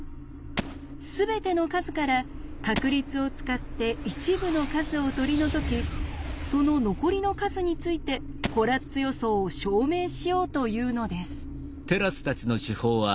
すべての数から確率を使って一部の数を取り除きその残りの数についてコラッツ予想を証明しようというのです。